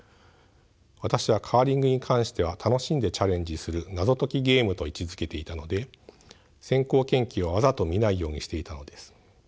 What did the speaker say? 私はカーリングに関しては楽しんでチャレンジする謎解きゲームと位置づけていたので先行研究はわざと見ないようにしていたのです。